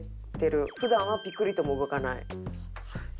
「普段はピクリとも動かない」